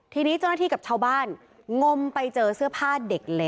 ทีนี้เจ้าหน้าที่กับชาวบ้านงมไปเจอเสื้อผ้าเด็กเล็ก